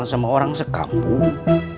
sama orang sekampung